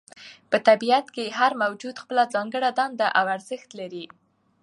په طبیعت کې هر موجود خپله ځانګړې دنده او ارزښت لري.